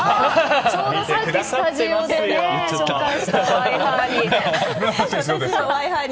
ちょうどさっきスタジオで紹介したワイハーに。